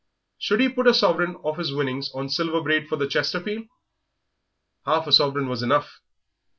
Should he put a sovereign of his winnings on Silver Braid for the Chesterfield? Half a sovereign was enough!